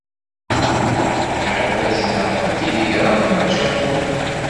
Bɣiɣ ad azneɣ atiligṛam ɣer Japun.